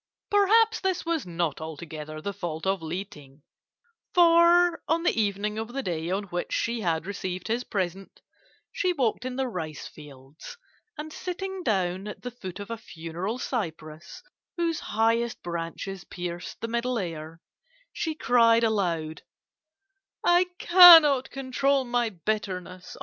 Perhaps this was not altogether the fault of Li Ting, for on the evening of the day on which she had received his present, she walked in the rice fields, and sitting down at the foot of a funereal cypress, whose highest branches pierced the Middle Air, she cried aloud: "'I cannot control my bitterness.